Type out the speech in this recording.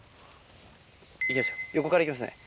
いきます、横からいきますね。